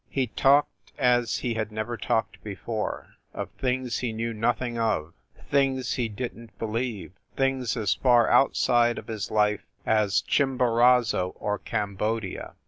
He talked as he had never talked before of things he knew nothing of, things he didn t be lieve, things as far outside of his life as Chimbo raza or Cambodia.